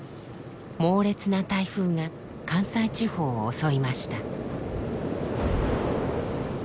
猛烈な台風が関西地方を襲いました。